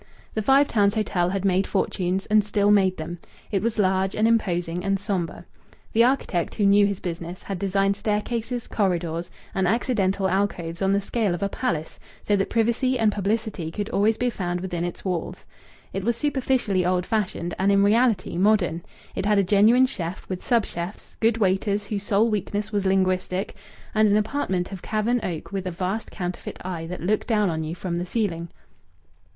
The Five Towns Hotel had made fortunes, and still made them. It was large and imposing and sombre. The architect, who knew his business, had designed staircases, corridors, and accidental alcoves on the scale of a palace; so that privacy amid publicity could always be found within its walls. It was superficially old fashioned, and in reality modern. It had a genuine chef, with sub chefs, good waiters whose sole weakness was linguistic, and an apartment of carven oak with a vast counterfeit eye that looked down on you from the ceiling.